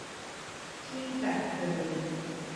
ที่จัดโดย